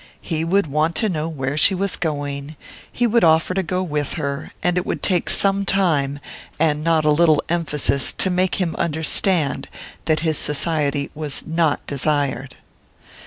He would want to know where she was going, he would offer to go with her, and it would take some time and not a little emphasis to make him understand that his society was not desired.